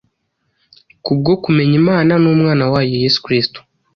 Kubwo kumenya Imana n’Umwana wayo Yesu Kristo,